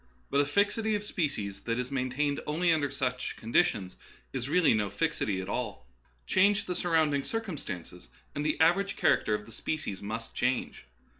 But a " fixity of species " that is maintained only under such conditions is really no fixity at all. Change the surrounding circumstances, and the average character of the species must change.